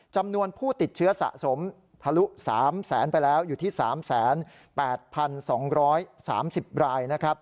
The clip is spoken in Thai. จำนวนผู้ติดเชื้อสะสมทะลุ๓แสนไปแล้วอยู่ที่๓๘๒๓๐รายนะครับ